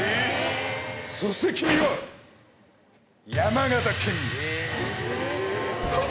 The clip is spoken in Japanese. そして君は山形県民だ。